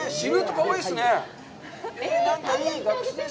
かわいいですね。